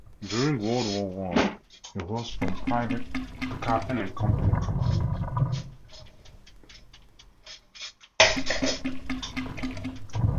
During World War One, he rose from private to captain and company commander.